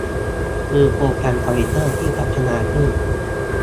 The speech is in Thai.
คือโปรแกรมคอมพิวเตอร์ที่พัฒนาขึ้น